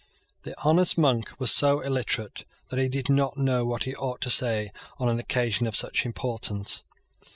The honest monk was so illiterate that he did not know what he ought to say on an occasion of such importance.